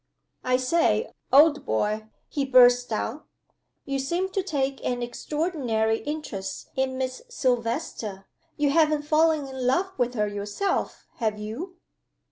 "I say, old boy," he burst out, "you seem to take an extraordinary interest in Miss Silvester! You haven't fallen in love with her yourself have you?"